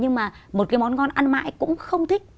nhưng mà một cái món ngon ăn mãi cũng không thích